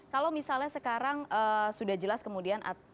kalau misalnya sekarang sudah jelas kemudian